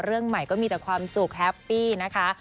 เรื่องใหม่ก็มีแต่ความสุขแฮปปี้นะคะ